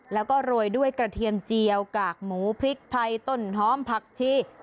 แล้วก็โรยด้วยกระเทียมเจียวกากหมูพริกไทยต้นหอมผักชี